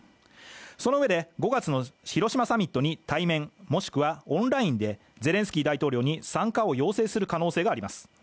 そのうえで、５月の広島サミットに対面、もしくはオンラインでゼレンスキー大統領に参加を要請する可能性があります。